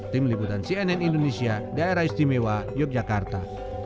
tim liputan cnn indonesia daerah istimewa yogyakarta